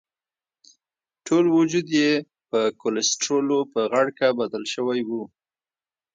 ټول وجود یې په کولسټرولو په غړکه بدل شوی وو.